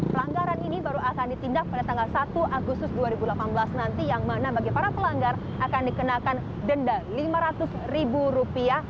pelanggaran ini baru akan ditindak pada tanggal satu agustus dua ribu delapan belas nanti yang mana bagi para pelanggar akan dikenakan denda lima ratus ribu rupiah